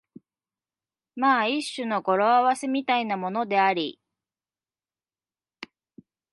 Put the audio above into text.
まあ一種の語呂合せみたいなものであり、